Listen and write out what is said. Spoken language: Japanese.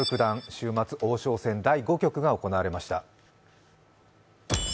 週末、王将戦第５局が行われました。